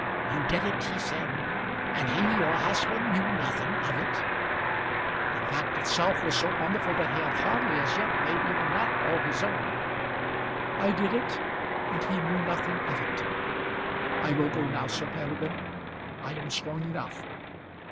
"You did it," he said, "and he, your husband, knew nothing of it?" The fact itself was so wonderful, that he had hardly as yet made even that all his own. "I did it, and he knew nothing of it. I will go now, Sir Peregrine; I am strong enough."